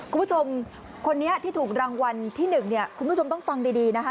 คุณผู้ชมคนนี้ที่ถูกรางวัลที่๑เนี่ยคุณผู้ชมต้องฟังดีนะคะ